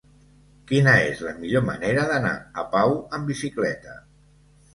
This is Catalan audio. Quina és la millor manera d'anar a Pau amb bicicleta?